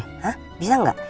hah bisa gak